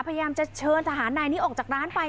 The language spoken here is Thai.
พยายามจะเชิญทหารนายนี้ออกจากร้านไป